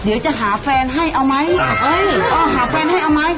เดี๋ยวจะหาแฟนให้เอาไหมเอ้ยเอาหาแฟนให้เอาไหม